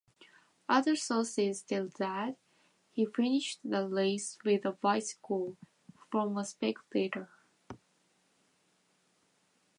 Other sources tell that he finished the race with a bicycle from a spectator.